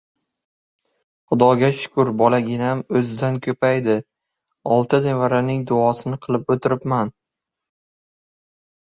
— Xudoga shukur, bolaginam o‘zidan ko‘paydi. Olti nevaraning duosini qilib o‘tiribman.